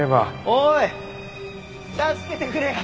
おーい助けてくれ。